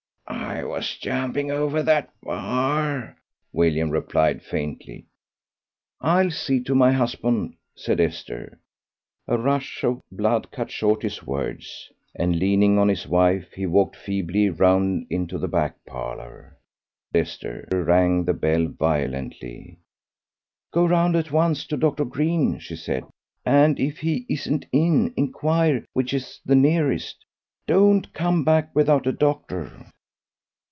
"It was jumping over that bar," William replied, faintly. "I'll see to my husband," said Esther. A rush of blood cut short his words, and, leaning on his wife, he walked feebly round into the back parlour. Esther rang the bell violently. "Go round at once to Doctor Green," she said; "and if he isn't in inquire which is the nearest. Don't come back without a doctor."